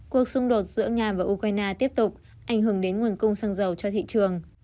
cuộc xung đột giữa nga và ukraine tiếp tục ảnh hưởng đến nguồn cung xăng dầu cho thị trường